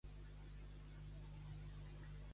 Semblar en Mauri de les dècimes.